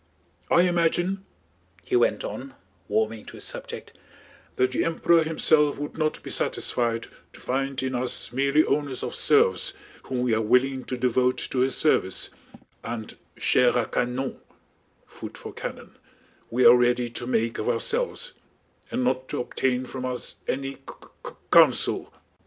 I imagine," he went on, warming to his subject, "that the Emperor himself would not be satisfied to find in us merely owners of serfs whom we are willing to devote to his service, and chair à canon * we are ready to make of ourselves—and not to obtain from us any co co counsel."